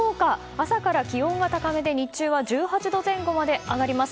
朝から気温が高めで日中は１８度前後まで上がります。